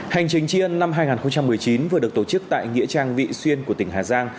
hành trình chi ân năm hai nghìn một mươi chín vừa được tổ chức tại nghĩa trang vị xuyên của tỉnh hà giang